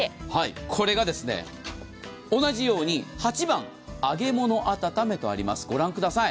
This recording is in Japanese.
これがですね、同じように８番、揚げ物あたためとあります。